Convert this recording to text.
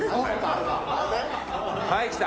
はい。